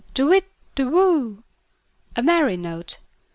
To whit, Tu whoo! A merry note!